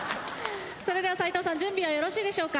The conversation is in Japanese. それでは斉藤さん準備はよろしいでしょうか？